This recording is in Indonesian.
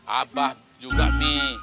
abah juga mi